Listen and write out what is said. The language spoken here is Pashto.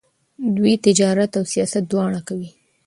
دوی تجارت او سیاست دواړه کوي.